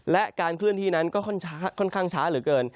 และการเคลื่อนที่นั้นก็ค่อนข้างช้าเหลือเกิน